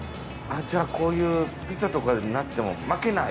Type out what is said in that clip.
じゃあこういうピザとかになっても負けない？